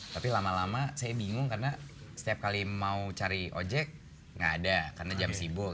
tapi lama lama saya bingung karena setiap kali mau cari ojek nggak ada karena jam sibuk